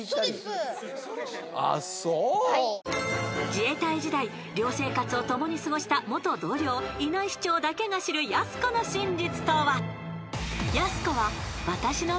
［自衛隊時代寮生活を共に過ごした元同僚稲井士長だけが知るやす子の真実とは？］